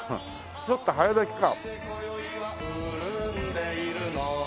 ちょっと早咲きか。